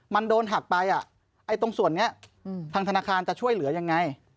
มันโดนหักไปตรงส่วนนี้ทางธนาคารจะช่วยเหลือยังไง